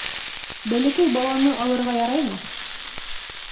Бәләкәй баланы алырға яраймы?